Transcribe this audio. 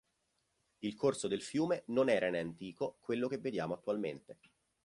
Il corso del fiume non era in antico quello che vediamo attualmente.